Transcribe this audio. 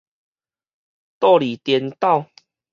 到籬顛倒